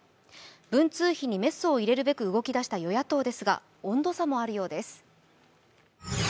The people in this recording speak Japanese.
文通費にメスを入れるべく動き出した与野党ですが温度差もあるようです。